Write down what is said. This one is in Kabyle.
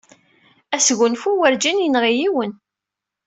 Asgunfu werǧin yenɣi yiwen.